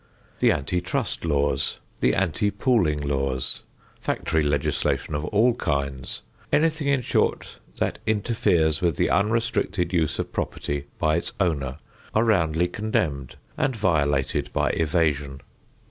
The anti trust laws, the anti pooling laws, factory legislation of all kinds, anything in short that interferes with the unrestricted use of property by its owner are roundly condemned and violated by evasion.